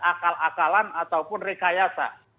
akal akalan ataupun rekayasa